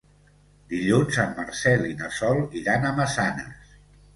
Dilluns en Marcel i na Sol iran a Massanes.